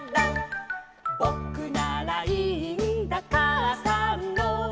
「ぼくならいいんだかあさんの」